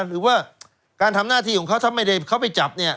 หรือว่าการทำหน้าที่ของเขาถ้าไม่ได้เขาไปจับเนี่ย